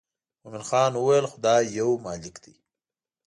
مومن خان وویل خدای یو مالک دی.